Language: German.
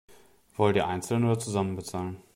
Wollt ihr einzeln oder zusammen bezahlen?